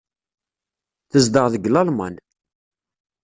Tezdeɣ deg Lalman.